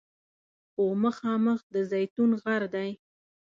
خو مخامخ د زیتون غر دی.